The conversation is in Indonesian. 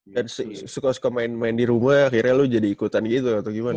dan suka suka main di rumah akhirnya lu jadi ikutan gitu atau gimana